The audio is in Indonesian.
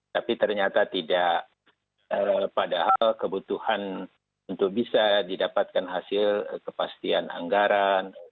tapi ternyata tidak padahal kebutuhan untuk bisa didapatkan hasil kepastian anggaran